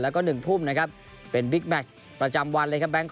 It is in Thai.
แล้วก็หนึ่งทุ่มนะครับเป็นประจำวันเลยครับ